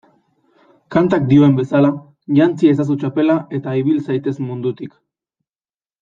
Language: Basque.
Kantak dioen bezala, jantzi ezazu txapela eta ibil zaitez mundutik.